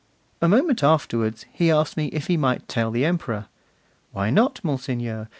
A moment afterwards, he asked me if he might tell the Emperor. 'Why not, monseigneur?